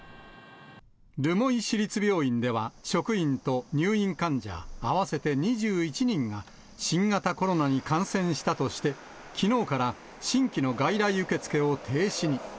留萌市立病院では、職員と入院患者合わせて２１人が、新型コロナに感染したとして、きのうから新規の外来受け付けを停止に。